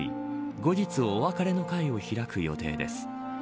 後日、お別れの会を開く予定です。